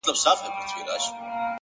اراده داخلي کمزوري ماتوي,